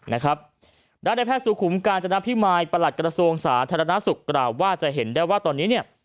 ด้านในแพทย์สุขุมกาญจนพิมายประหลัดกระทรวงสาธารณสุขกล่าวว่าจะเห็นได้ว่าตอนนี้เนี่ย